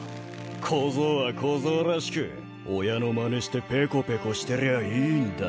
小僧は小僧らしく親のまねしてペコペコしてりゃあいいんだよ